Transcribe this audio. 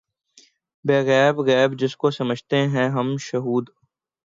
ہے غیب غیب‘ جس کو سمجھتے ہیں ہم شہود